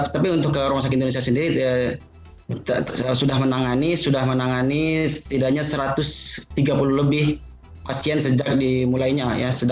tapi untuk rumah sakit indonesia sendiri sudah menangani setidaknya satu ratus tiga puluh lebih pasien sejak dimulainya